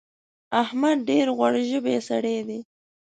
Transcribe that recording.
احمد ډېر غوړ ژبی سړی دی.